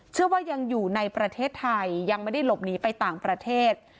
เชื่อว่ายังอยู่ในประเทศไทยยังไม่ได้หลบหนีไปต่างประเทศ